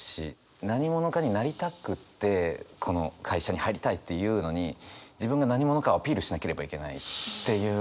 何者かになりたくってこの会社に入りたいっていうのに自分が何者かをアピールしなければいけないっていうのが。